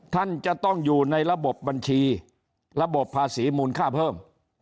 ท่านจะต้องอยู่ในระบบบัญชีระบบภาษีมูลค่าเพิ่ม